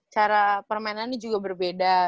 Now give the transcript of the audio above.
cara permainannya juga berbeda